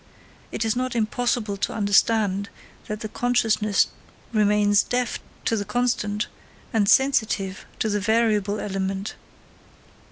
It is not impossible to understand that the consciousness remains deaf to the constant and sensitive to the variable element.